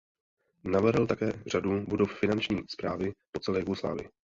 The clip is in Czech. Navrhl také řadu budov finanční správy po celé Jugoslávii.